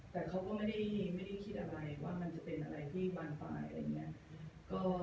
แต่เขาก็ไม่ได้คิดอะไรว่ามันจะเป็นอะไรที่บางฝ่ายอะไรอย่างนี้